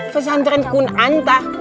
pesantren kun anta